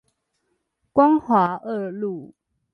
光華二路